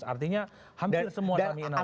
artinya hampir semua yang diinawakona